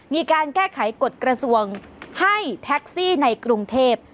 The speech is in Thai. มีการแก้ไขกฎกระทรวงให้แท็กซี่ในกรุงเทพ